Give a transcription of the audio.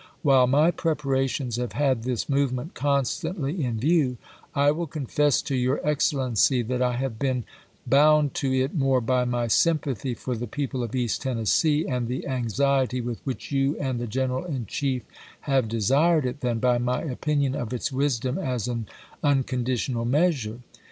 " While my preparations have had this movement constantly in view, I will con fess to your Excellency that I have been bound to it more by my sympathy for the people of East Tennessee and the anxiety with which you and the General in Chief have desired it than by my opin ion of its wisdom as an unconditional measure.